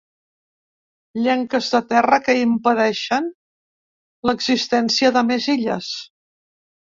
Llenques de terra que impedeixen l'existència de més illes.